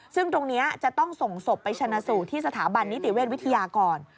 ซึ่งตรงนี้จะต้องส่งศพไปชนะสูตรที่สถาบันนิติเวชวิทยาก่อน